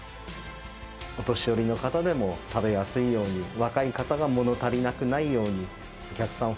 お年寄りの方でも食べやすいように、若い方が物足りなくないように、お客さん